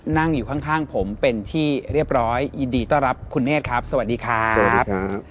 นั่งอยู่ข้างผมเป็นที่เรียบร้อยยินดีต้อนรับคุณเนธครับสวัสดีครับสวัสดีครับ